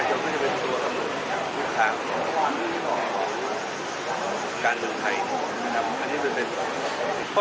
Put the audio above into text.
ออกมากกว่าและหน่อยการเมิ้งไทยนะครับ